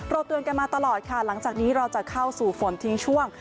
เตือนกันมาตลอดค่ะหลังจากนี้เราจะเข้าสู่ฝนทิ้งช่วง